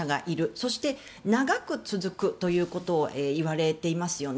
そして、長く続くということを言われていますよね。